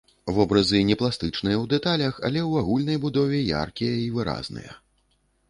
Вобразы не пластычныя ў дэталях, але ў агульнай будове яркія і выразныя.